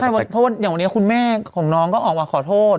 เพราะว่าอย่างวันนี้คุณแม่ของน้องก็ออกมาขอโทษ